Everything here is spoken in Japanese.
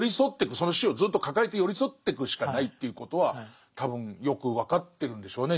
その死をずっと抱えて寄り添ってくしかないということは多分よく分かってるんでしょうね